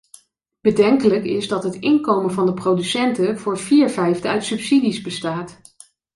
Bedenkelijk is dat het inkomen van de producenten voor vier vijfde uit subsidies bestaat.